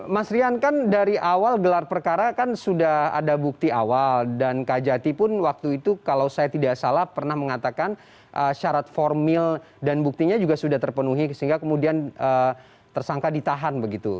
mas rian kan dari awal gelar perkara kan sudah ada bukti awal dan kajati pun waktu itu kalau saya tidak salah pernah mengatakan syarat formil dan buktinya juga sudah terpenuhi sehingga kemudian tersangka ditahan begitu